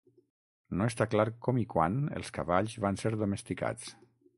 No està clar com i quan els cavalls van ser domesticats.